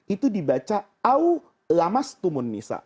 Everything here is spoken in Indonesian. itu dibaca aw lamastumun nisa